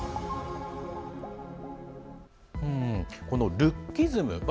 このルッキズム。